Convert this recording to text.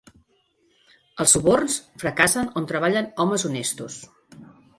Els suborns fracassen on treballen homes honestos.